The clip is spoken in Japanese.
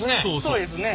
そうですね。